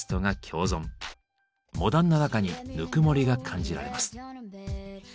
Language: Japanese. モダンな中にぬくもりが感じられます。